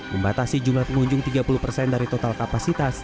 membatasi jumlah pengunjung tiga puluh persen dari total kapasitas